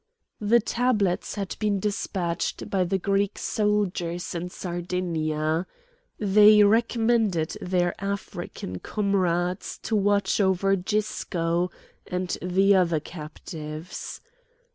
The tablets had been despatched by the Greek soldiers in Sardinia. They recommended their African comrades to watch over Gisco and the other captives.